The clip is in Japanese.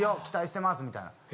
期待してます」みたいな。